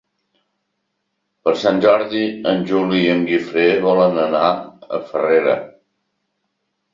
Per Sant Jordi en Juli i en Guifré volen anar a Farrera.